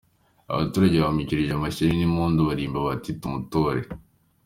Abaturage bamwakirije amashyi n’impundu baririmba bati " Tumutore".